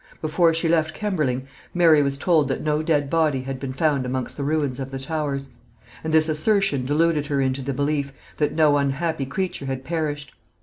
Before she left Kemberling, Mary was told that no dead body had been found amongst the ruins of the Towers; and this assertion deluded her into the belief that no unhappy creature had perished.